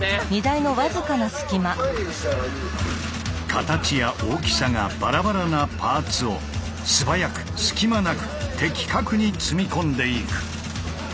形や大きさがバラバラなパーツを素早く隙間なく的確に積み込んでいく。